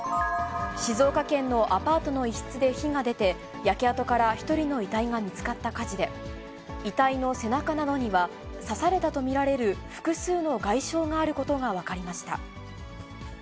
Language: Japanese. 静岡県のアパートの一室で火が出て、焼け跡から１人の遺体が見つかった火事で、遺体の背中などには、刺されたと見られる複数の外傷があることが分かりました。